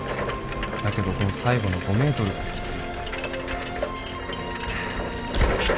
だけどこの最後の５メートルがきつい